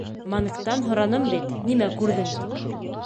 — Мангтан һораным бит, нимә күрҙең тип?